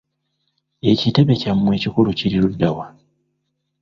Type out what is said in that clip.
Ekitebe kya mmwe ekikulu kiri ludda wa?